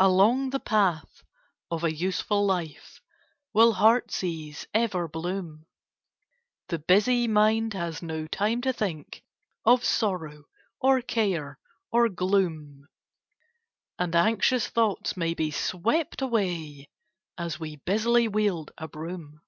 Along the path of a useful life Will heart's ease ever bloom; The busy mind has no time to think Of sorrow, or care, or gloom; And anxious thoughts may be swept away As we busily wield a broom.